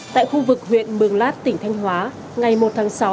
tại khu vực huyện mường lát tỉnh thanh hóa ngày một tháng sáu